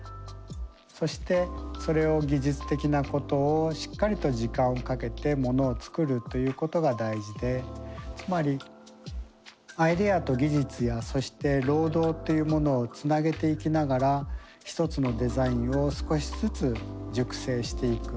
そしてそれを技術的なことをしっかりと時間をかけてものを作るということが大事でつまりアイデアと技術やそして労働というものをつなげていきながら一つのデザインを少しずつ熟成していく。